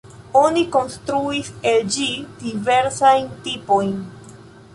Oni konstruis el ĝi diversajn tipojn.